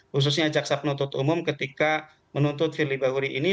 khususnya jaksa penuntut umum ketika menuntut firly bahuri ini